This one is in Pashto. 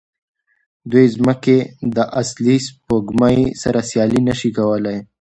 دوی د ځمکې د اصلي سپوږمۍ سره سیالي نه شي کولی.